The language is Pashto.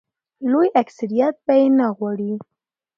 لوی اکثریت به یې نه غواړي.